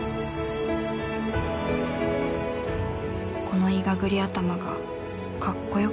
このいがぐり頭がかっこよく見える